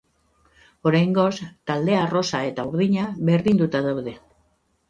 Oraingoz, talde arrosa eta urdina berdinduta daude.